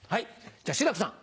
じゃ志らくさん。